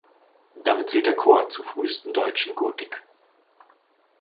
Damit zählt der Chor zur frühesten deutschen Gotik.